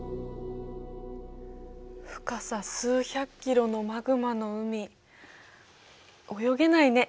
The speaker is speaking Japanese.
深さ数百キロのマグマの海泳げないね。